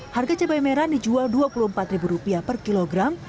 harga cabai merah dijual rp dua puluh empat per kilogram